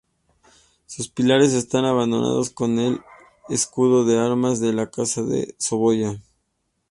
Sus pilares están adornados con el escudo de armas de la casa de Saboya.